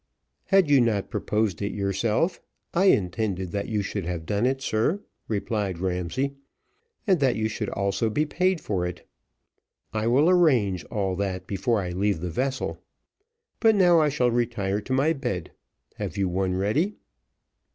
"Had you not proposed it yourself, I intended that you should have done it, sir," replied Ramsay; "and that you should also be paid for it. I will arrange all that before I leave the vessel. But now I shall retire to my bed. Have you one ready?"